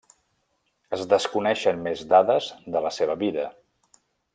Es desconeixen més dades de la seva vida.